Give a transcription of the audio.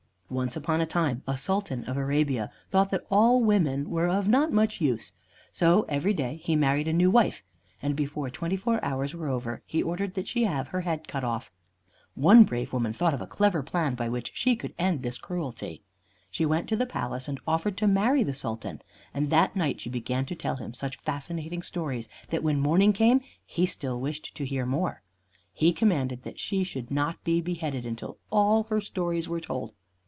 Once upon a time, a Sultan of Arabia thought that all women were of not much use, so every day he married a new wife, and before twenty four hours were over he ordered that she have her head cut off. One brave woman thought of a clever plan by which she could end this cruelty. She went to the palace and offered to marry the Sultan, and that night she began to tell him such fascinating stories that when morning came he still wished to hear more. He commanded that she should not be beheaded until all her stories were told.